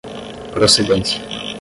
procedência